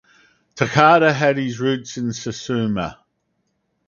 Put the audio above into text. Takada had his roots in Satsuma.